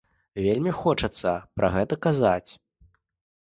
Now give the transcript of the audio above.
Вельмі хочацца пра гэта казаць.